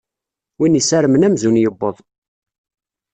Win isarmen amzun iwweḍ.